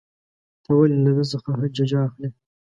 ته ولې له ده څخه ججه اخلې.